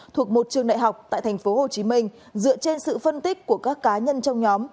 thuộc một trường đại học tại tp hcm dựa trên sự phân tích của các cá nhân trong nhóm